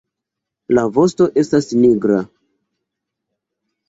La vosto estas nigra.